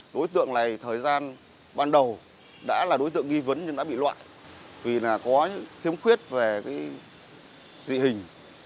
đối tượng này thời gian ban đầu đã là đối tượng nghi vấn nhưng đã bị loại vì là có khiếm khuyết về dự hình